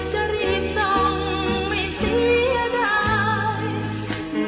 จะรีบส่องไม่เสียใด